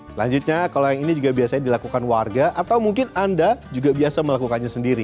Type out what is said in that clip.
selanjutnya kalau yang ini juga biasanya dilakukan warga atau mungkin anda juga biasa melakukannya sendiri